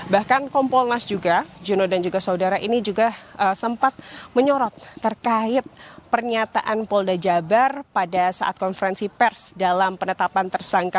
bahkan kompolnas juga jono dan juga saudara ini juga sempat menyorot terkait pernyataan polda jabar pada saat konferensi pers dalam penetapan tersangka